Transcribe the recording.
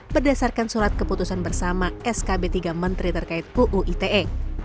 berdasarkan surat keputusan bersama skb tiga menteri terkait puite